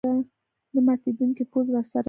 نه ماتېدونکی پوځ راسره دی.